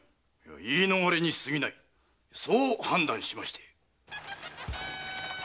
言い逃れに過ぎないそう判断しまして。